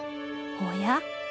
おや？